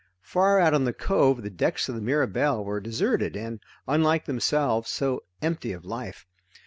Far out on the cove, the decks of the Mirabelle were deserted and unlike themselves, so empty of life.